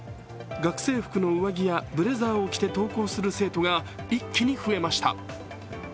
学生服の上着やブレザーを着て登校する生徒が一気に増えました。